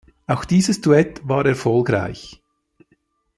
Auch dieses Duett war erfolgreich.